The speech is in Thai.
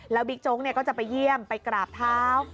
แล้วบิ๊กโจ๊กก็จะไปเยี่ยมไปกราบเท้า